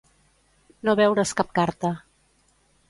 No veure's cap carta.